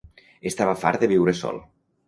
Estava fart de viure sol.